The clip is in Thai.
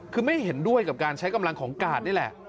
คือไม่เห็นด้วยกับการใช้กำลังของกาดนี่แหละ